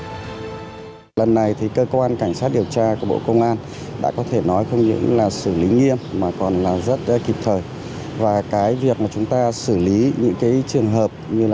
trong bộ án này cơ quan điều tra đang khởi tố ông trịnh văn quyết về tội thao túng thị trường chứng khoán